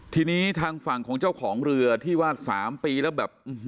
ทีนี้ทางฝั่งของเจ้าของเรือที่วาด๓ปีแล้วแบบ